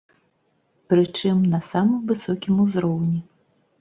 Прычым, на самым высокім узроўні.